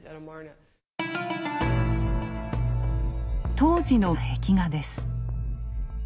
当時の壁画です。